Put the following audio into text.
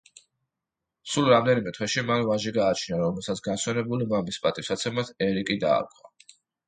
სულ რამდენიმე თვეში მან ვაჟი გააჩინა, რომელსაც განსვენებული მამის პატივსაცემად ერიკი დაარქვა.